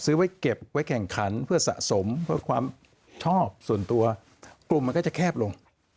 ไว้เก็บไว้แข่งขันเพื่อสะสมเพื่อความชอบส่วนตัวกลุ่มมันก็จะแคบลง